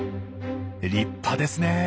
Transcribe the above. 立派ですねえ。